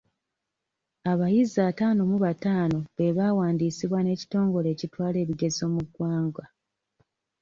Abayizi attaano mu battaano be baawandiisibwa n'ekitongole ekitwala ebigezo mu ggwanga.